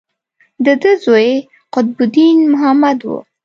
د ده زوی قطب الدین محمد و.